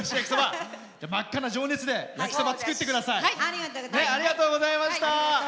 真っ赤な情熱でやきそば作ってください！